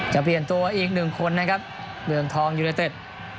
จะเปลี่ยนตัวอีกหนึ่งคนนะครับเมืองทองยูเนเต็ด